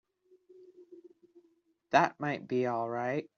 That might be all right.